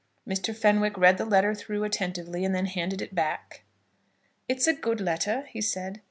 Mr. Fenwick read the letter through attentively, and then handed it back. "It's a good letter," he said.